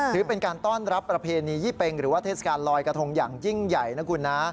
ถือเป็นการต้อนรับประเพณียี่เป็งหรือว่าเทศกาลลอยกระทงอย่างยิ่งใหญ่นะคุณนะ